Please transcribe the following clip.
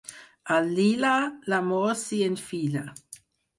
Al lila, l'amor s'hi enfila.